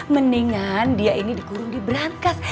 mendingan dia ini dikurung di berangkas